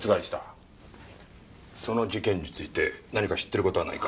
その事件について何か知ってる事はないか？